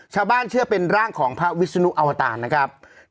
ชาวบ้านเชื่อเป็นร่างของพระวิชนุเอาตานะครับ